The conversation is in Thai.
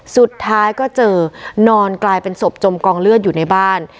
สุดท้ายก็เจอนอนกลายเป็นศพจมกองเลือดอยู่ในบ้าน